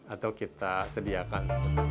atau kita sediakan